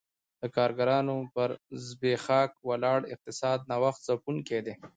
د کارګرانو پر زبېښاک ولاړ اقتصاد نوښت ځپونکی دی